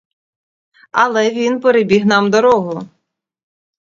Але він перебіг нам дорогу.